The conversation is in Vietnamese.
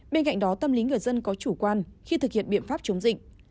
bên cạnh đó tâm lý người dân có chủ quan khi thực hiện biện pháp chống dịch